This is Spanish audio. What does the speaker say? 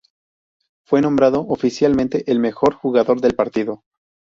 Fue nombrado oficialmente el mejor jugador del partido.